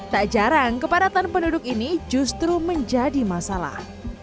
tak jarang kepadatan penduduk ini justru menjadi masalah